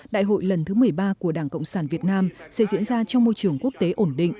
đại hội lần thứ một mươi ba của đảng cộng sản việt nam sẽ diễn ra trong môi trường quốc tế ổn định